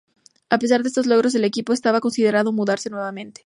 A pesar de estos logros, el equipo estaba considerando mudarse nuevamente.